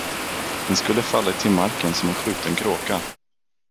Den skulle fallit till marken som en skjuten kråka.